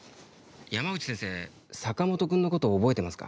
山内先生坂本君のこと覚えてますか？